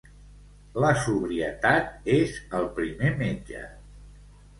La sobrietat és el primer metge.